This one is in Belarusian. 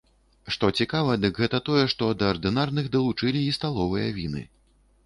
Што цікава, дык гэта тое, што да ардынарных далучылі і сталовыя віны.